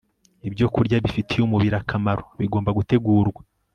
Ibyokurya bifitiye umubiri akamaro bigomba gutegurwa